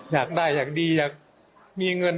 อยากได้อยากดีอยากมีเงิน